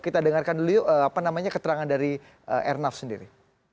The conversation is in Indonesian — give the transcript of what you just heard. kita dengarkan dulu yuk apa namanya keterangan dari airnav sendiri